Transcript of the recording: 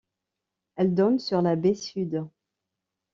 Elle donne sur la baie Sud.